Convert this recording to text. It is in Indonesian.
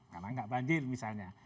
karena gak banjir misalnya